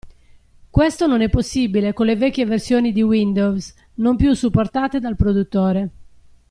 Questo non è possibile con le vecchie versioni di Windows, non più supportate dal produttore.